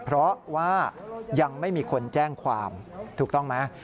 เพราะว่ายังไม่มีคนแจ้งความถูกต้องไหม